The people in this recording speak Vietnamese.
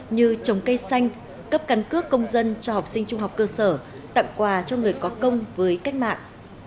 như trồng cây xanh cấp căn cước công dân cho học sinh trung học cơ sở tặng quà cho người có công với cách mạng